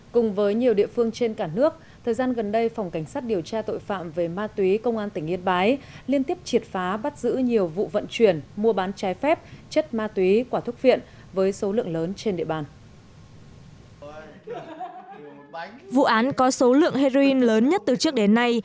cùng với nhiều địa phương trên cả nước thời gian gần đây phòng cảnh sát điều tra tội phạm về ma túy công an tỉnh yên bái liên tiếp triệt phá bắt giữ nhiều vụ vận chuyển mua bán trái phép chất ma túy quả thuốc phiện với số lượng lớn trên địa bàn